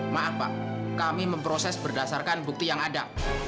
maaf pak kami memproses berdasarkan bukti yang ada